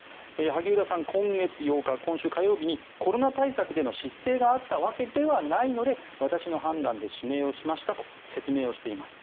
萩生田さん、今月８日今週火曜日にコロナ対策での失政があったわけではないので私の判断で指名をしましたと説明をしています。